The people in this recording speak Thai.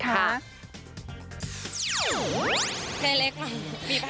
เคหลีกหล่อยเผยเล็กกว่า